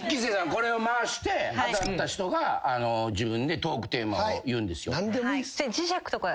これを回して当たった人が自分でトークテーマを言うんですよ。